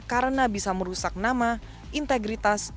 karena bisa merusak nama integritas